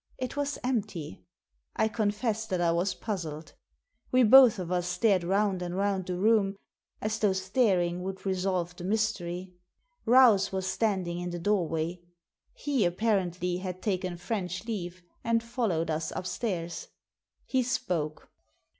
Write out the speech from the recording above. It was empty. I confess that I was puzzled. We both of us stared round and round the room as though staring would resolve the mystery. Rouse was standing in the doorway. He, apparently, had taken French leave, and followed us upstairs. He spoke.